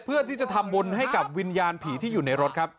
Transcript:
เพื่อที่จะทำบุญให้กับวิญญาณผีที่อยู่ในรถครับ